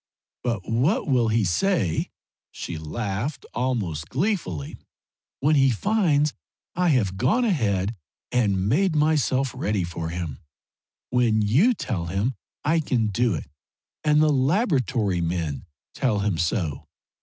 But what will he say," she laughed, almost gleefully "when he finds I have gone ahead and made myself ready for him? When you tell him I can do it and the laboratory men tell him so?